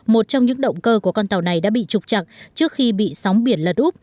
một trong những động cơ của con tàu này đã bị trục chặt